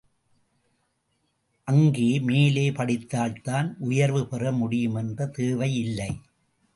அங்கே மேலே படித்தால்தான் உயர்வு பெற முடியும் என்ற தேவை இல்லை.